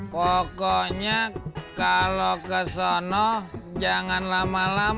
pokoknya kalo ke sono jangan lama lama